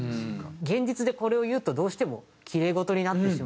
現実でこれを言うとどうしてもきれい事になってしまうと。